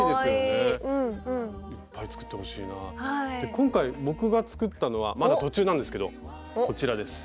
今回僕が作ったのはまだ途中なんですけどこちらです。